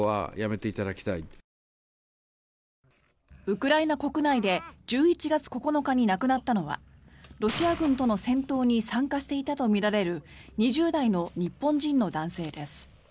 ウクライナ国内で１１月９日に亡くなったのはロシア軍との戦闘に参加していたとみられる２０代の日本人の男性です。